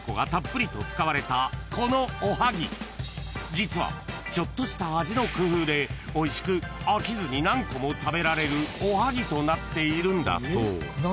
［実はちょっとした味の工夫でおいしく飽きずに何個も食べられるおはぎとなっているんだそう］